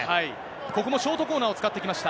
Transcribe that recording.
ここもショートコーナーを使ってきました。